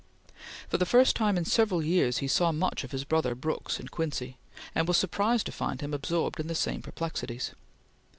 For the first time in several years he saw much of his brother Brooks in Quincy, and was surprised to find him absorbed in the same perplexities.